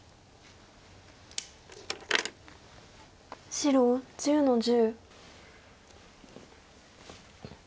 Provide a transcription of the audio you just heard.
白１０の十。